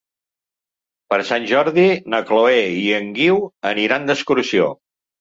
Per Sant Jordi na Chloé i en Guiu aniran d'excursió.